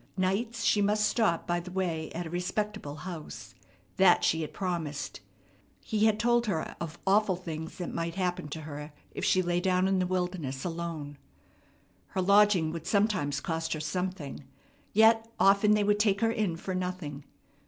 Nights she must stop by the way at a respectable house. That she had promised. He had told her of awful things that might happen to her if she lay down in the wilderness alone. Her lodging would sometimes cost her something. Yet often they would take her in for nothing.